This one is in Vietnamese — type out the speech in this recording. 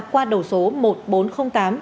qua đầu số một nghìn bốn trăm linh tám